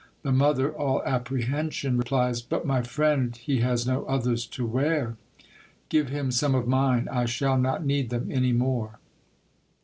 The mother, all apprehension, replies, *' But, my friend, he has no others to wear." *' Give him some of mine. I shall not need them any more."